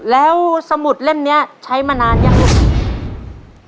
แล้วสมุดเล่มนี้ใช้มานานยังลูก